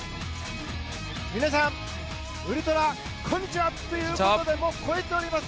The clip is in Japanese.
皆さん、ウルトラこんにちは！ということでもう超えております。